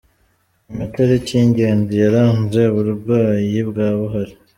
Amatariki y’ ‘ ingenzi yaranze uburwayi bwa Buhari.